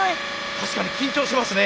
確かに緊張しますね。